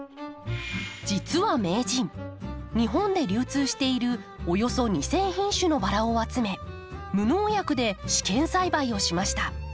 実は名人日本で流通しているおよそ２，０００品種のバラを集め無農薬で試験栽培をしました。